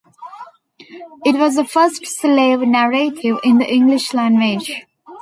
It was the first Slave narrative in the English language.